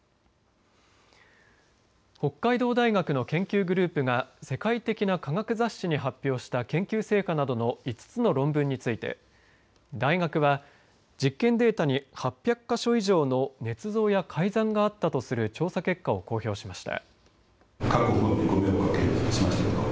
北海道大学の研究グループが世界的な科学雑誌に発表した研究成果などの５つの論文について、大学は実験データに８００か所以上のねつ造や改ざんがあったとする調査結果を公表しました。